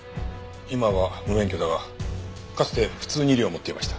今は無免許だがかつて普通二輪を持っていました。